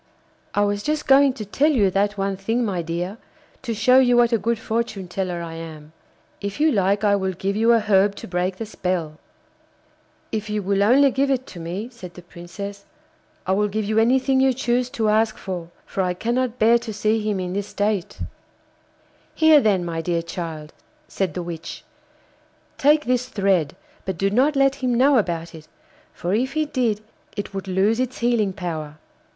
'I was just going to tell you that one thing, my dear, to show you what a good fortune teller I am. If you like, I will give you a herb to break the spell.' 'If you will only give it to me,' said the Princess, 'I will give you anything you choose to ask for, for I cannot bear to see him in this state.' 'Here, then, my dear child,' said the witch, 'take this thread, but do not let him know about it, for if he did it would lose its healing power.